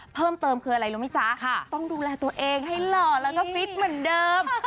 เพิ่มเติมคืออะไรรู้ไหมจ๊ะต้องดูแลตัวเองให้หล่อแล้วก็ฟิตเหมือนเดิม